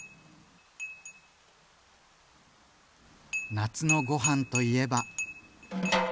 夏のご飯といえば。